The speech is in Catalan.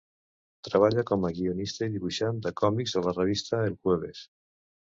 Treballa com a guionista i dibuixant de còmics a la revista El Jueves.